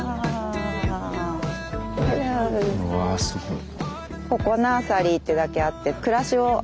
うわすごい。